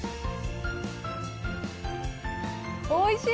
おいしい！